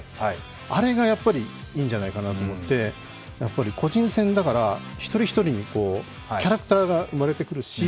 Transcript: あれがやっぱりいいんじゃないかなと思って、個人戦だから一人一人にキャラクターが生まれてくるし